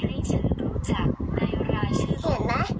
ให้ฉันรู้จักในรายชื่อของคุณพี่สิริ